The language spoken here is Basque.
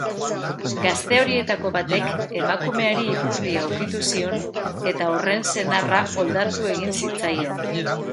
Gazte horietako batek emakumeari ipurdia ukitu zion eta horren senarra oldartu egin zitzaien.